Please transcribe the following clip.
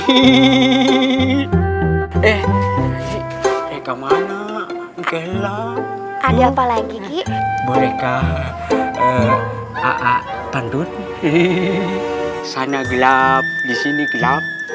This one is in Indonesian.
ih ih ih ih ih eh eh kemana gelap ada apalagi bolehkah a a tuntut ih sana gelap di sini gelap